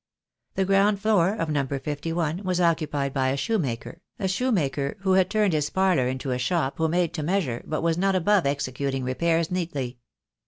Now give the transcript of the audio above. The ground floor of Number 51 was occupied by a shoemaker, a shoemaker who had turned his parlour into a shop, who made to measure, but was not above executing repairs neatly.